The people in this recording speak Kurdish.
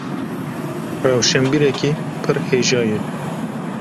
Rewşenbîrekî pir hêja ye.